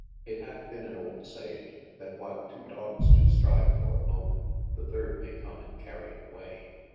It hath bin an old saying, that whiles two doggs do strive for a bone, the thirde may come and carie it away.